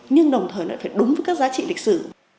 nhưng đồng thời nó phải đúng với các giá trị lịch sử